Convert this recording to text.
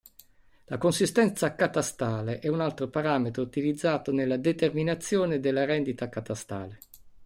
La "Consistenza catastale" è un altro parametro utilizzato nella determinazione della "Rendita catastale".